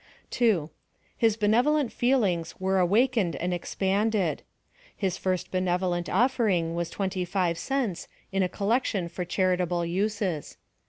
2. His benevolent feelings were awakened and expanded. His first benevolent oflering was twen ty five cents, in a collection for charitable uses.